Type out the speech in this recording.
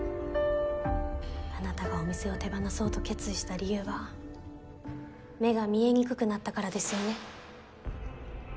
あなたがお店を手放そうと決意した理由は目が見えにくくなったからですよね？